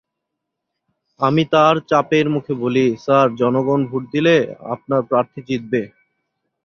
আমি তাঁর চাপের মুখে বলি, স্যার জনগণ ভোট দিলে আপনার প্রার্থী জিতবে।